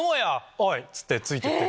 はいっつってついてって。